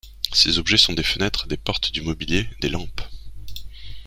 Ces objets sont des fenêtres, des portes, du mobilier, des lampes...